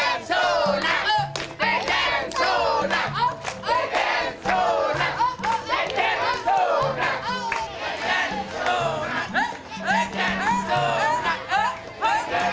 jajan sunat jajan sunat jajan sunat